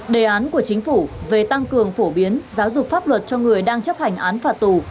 đề án của chính phủ về tăng cường phổ biến giáo dục pháp luật cho người đang chấp hành án phạt tù